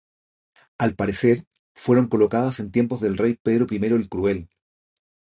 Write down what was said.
Al parecer fueron colocadas en tiempos del rey Pedro I el Cruel.